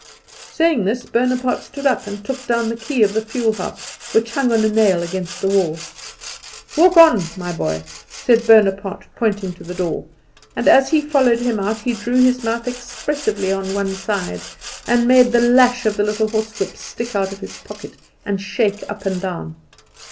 Saying this, Bonaparte stood up and took down the key of the fuel house, which hung on a nail against the wall. "Walk on, my boy," said Bonaparte, pointing to the door; and as he followed him out he drew his mouth expressively on one side, and made the lash of the little horsewhip stick out of his pocket and shake up and down.